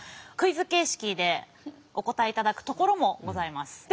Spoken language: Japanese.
クイズ形式でお答えいただくところもございます。